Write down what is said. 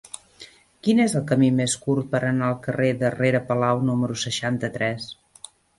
Quin és el camí més curt per anar al carrer de Rere Palau número seixanta-tres?